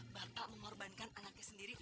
bapak mengorbankan anaknya sendiri